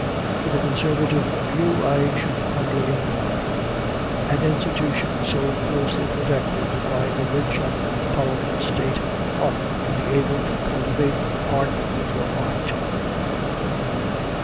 To the conservative view I should humbly incline. An institution so closely protected by a rich and powerful State ought to be able to cultivate art for art.